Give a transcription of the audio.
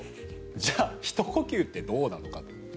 じゃあひと呼吸ってどうなのかと。